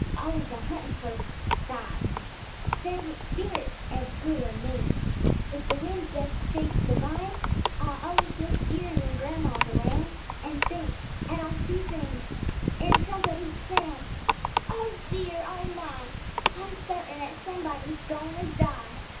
Always a huntin' fer "signs"; Says it's "spirits" 'at's good, or mean, If the wind jest shakes the vines! I always feel skeery w'en gran'ma's aroun' An' think 'at I see things, an' jump at each soun': "Oh, dear! Oh, my! I'm certain 'at somebody's goin' to die!"